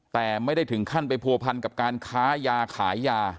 แต่ไม่ได้ถึงขั้นไปผัวพันกับการค้ายาขายยา